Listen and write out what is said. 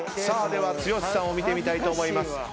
では剛さんを見てみたいと思います。